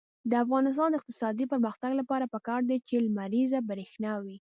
د افغانستان د اقتصادي پرمختګ لپاره پکار ده چې لمریزه برښنا وي.